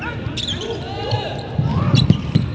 หมาย๙๑